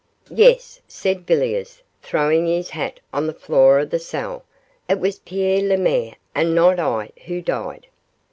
'Yes,' said Villiers, throwing his hat on the floor of the cell, 'it was Pierre Lemaire, and not I, who died.